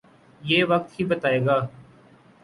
یہ وقت ہی بتائے گا۔